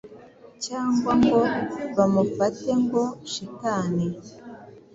cyangwa ngo bamufate nka "shitani",